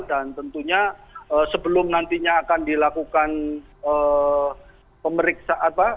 tentunya sebelum nantinya akan dilakukan pemeriksaan